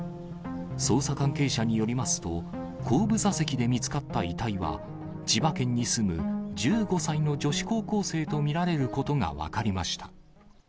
捜査関係者によりますと、後部座席で見つかった遺体は、千葉県に住む１５歳の女子高校生と見られることが分かりました。